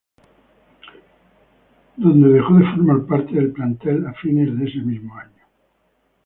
Donde dejó de formar parte del plantel a fines de ese mismo año.